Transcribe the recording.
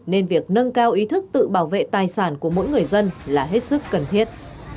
nên việc nâng cao ý thức tự bảo vệ tài sản của mỗi người dân là hết sức cần thiết